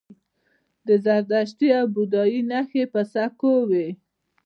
د زردشتي او بودايي نښې په سکو وې